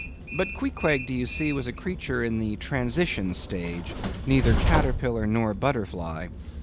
But Queequeg, do you see, was a creature in the transition stage—neither caterpillar nor butterfly.